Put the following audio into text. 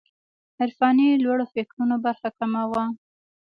عرفاني لوړو فکرونو برخه کمه وه.